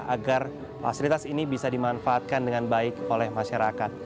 agar fasilitas ini bisa dimanfaatkan dengan baik oleh masyarakat